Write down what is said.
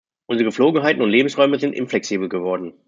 Unsere Gepflogenheiten und Lebensräume sind inflexibel geworden.